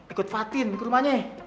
ikut fatin ke rumahnya